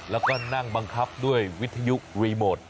แล้วก็นั่งบังคับด้วยวิทยุรีโมท